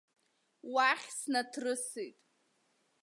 Уахь снаҭрысит.